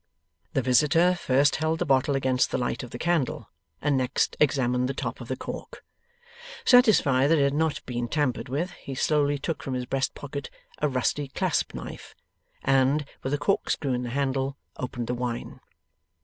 The visitor first held the bottle against the light of the candle, and next examined the top of the cork. Satisfied that it had not been tampered with, he slowly took from his breastpocket a rusty clasp knife, and, with a corkscrew in the handle, opened the wine.